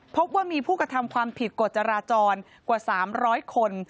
พบว่ามีผู้กระทำความผิดกฎจราจรกว่า๓๐๐คน